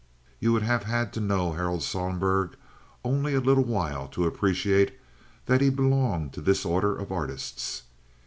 You would have had to know Harold Sohlberg only a little while to appreciate that he belonged to this order of artists.